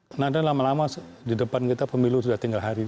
karena nanti lama lama di depan kita pemilu sudah tinggal hari